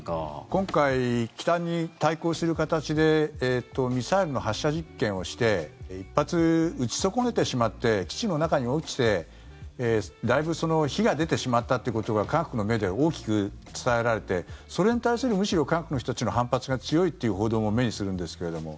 今回北に対抗している形でミサイルの発射実験をして１発、撃ち損ねてしまって基地の中に落ちてだいぶ火が出てしまったということが韓国のメディアで大きく伝えられてそれに対するむしろ、韓国の人たちの反発が強いという報道も目にするんですけれども。